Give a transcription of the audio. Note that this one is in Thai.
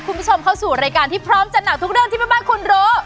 คุณผู้ชมเข้าสู่รายการที่พร้อมจัดหนักทุกเรื่องที่แม่บ้านคุณรู้